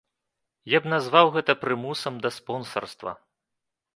Я б назваў гэта прымусам да спонсарства.